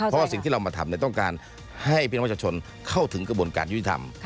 เพราะว่าสิ่งที่เรามาทำต้องการให้พี่น้องประชาชนเข้าถึงกระบวนการยุติธรรม